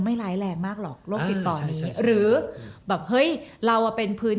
ไม่มีทางไม่ปิดหรอกแต่พอปิดเสร็จก็เอาเช็นน้ำตากูหน่อยละกัน